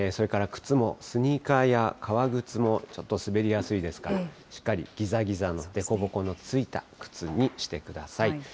それから靴も、スニーカーや革靴もちょっと滑りやすいですから、しっかりぎざぎざの、でこぼこのついた靴にしてください。